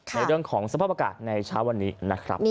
ในเรื่องของสภาพอากาศในเช้าวันนี้นะครับ